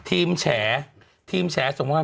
ทีมแฉทีมแฉส่งมาว่า